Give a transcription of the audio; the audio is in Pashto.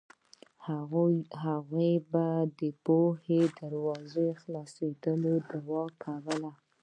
هغې به د پوهې د دروازو خلاصېدو دعا کوله